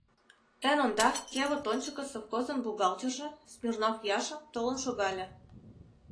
Эн ондак кевыт ончыко совхозын бухгалтерже, Смирнов Яша, толын шогале.